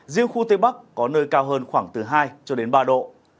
riêng khu tây bắc có nơi cao hơn khoảng từ hai ba độ